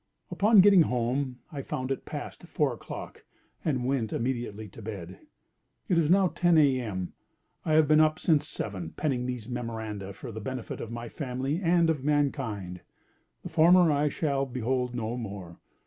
Upon getting home I found it past four o'clock, and went immediately to bed. It is now ten A.M. I have been up since seven, penning these memoranda for the benefit of my family and of mankind. The former I shall behold no more.